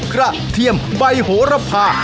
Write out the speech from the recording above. เทียมใบโหระพา